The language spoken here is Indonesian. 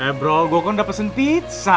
eh bro gue kan udah pesen pizza